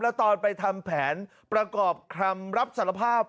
แล้วตอนไปทำแผนประกอบคำรับสารภาพ